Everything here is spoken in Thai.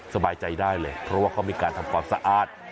สบายใจได้เลยเพราะว่าเขามีการทำความสะอาด